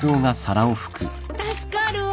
助かるわ。